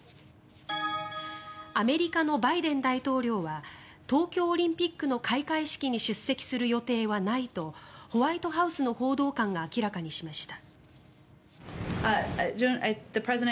アメリカのバイデン大統領は東京オリンピックの開会式に出席する予定はないとホワイトハウスの報道官が明らかにしました。